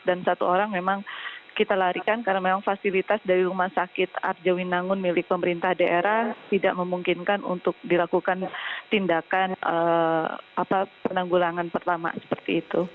dan satu orang memang kita larikan karena memang fasilitas dari rumah sakit arjawinangun milik pemerintah daerah tidak memungkinkan untuk dilakukan tindakan penanggulangan pertama seperti itu